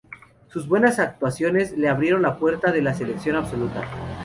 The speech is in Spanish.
Sus buenas actuaciones le abrieron la puerta de la selección absoluta.